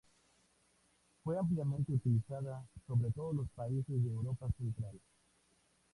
Fue ampliamente utilizada sobre todo en los países de Europa Central.